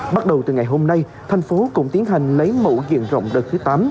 bắt đầu từ ngày hôm nay thành phố cũng tiến hành lấy mẫu diện rộng đợt thứ tám